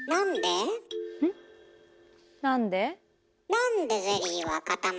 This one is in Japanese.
なんで？